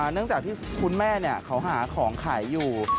เนื่องจากที่คุณแม่เขาหาของขายอยู่